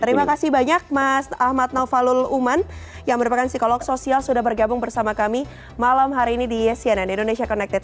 terima kasih banyak mas ahmad naufalul uman yang merupakan psikolog sosial sudah bergabung bersama kami malam hari ini di cnn indonesia connected